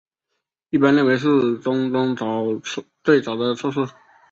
一般认为是政宗最早的侧室。